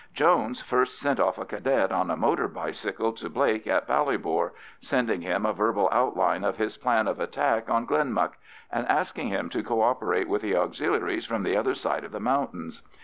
Jones first sent off a Cadet on a motor bicycle to Blake at Ballybor, sending him a verbal outline of his plan of attack on Glenmuck, and asking him to co operate with the Auxiliaries from the other side of the mountains.